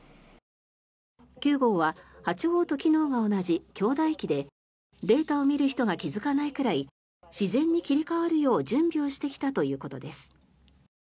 ９号は８号と機能が同じ兄弟機でデータを見る人が気付かないくらい自然に切り替わるよう準備をしてきたということです。